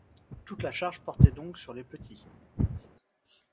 Toute la charge portait donc sur les petits.